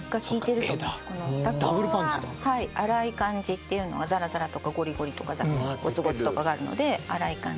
濁音は粗い感じっていうのは「ザラザラ」とか「ゴリゴリ」とか「ゴツゴツ」とかがあるので粗い感じ。